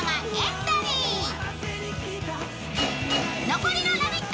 残りのラヴィット！